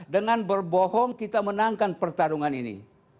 dengan berbohong kita menangkan pertarungan ini